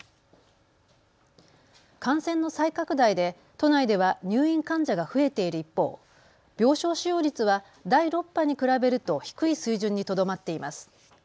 感染の再拡大で都内では入院患者が増えている一方、病床使用率は第６波に比べると低い水準にとどまっています。